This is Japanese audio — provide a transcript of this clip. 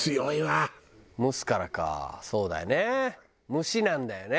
「蒸し」なんだよね。